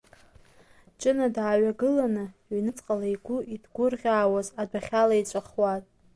Ҷына дааҩагыланы, ҩныҵҟала игәы иҭгәырӷьаауаз адәахьала иҵәахуа.